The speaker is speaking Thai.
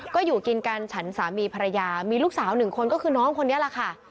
ก็อยู่กินกันฉันสามีภรรยามีลูกสาวหนึ่งคนก็คือน้องคนนี้แหละค่ะ